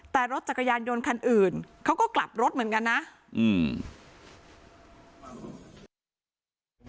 แต่รถจักรยานยนต์คันอื่นเขาก็กลับรถเหมือนกันนะอืม